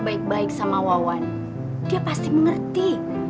baik baik sama wawan dia pasti mengerti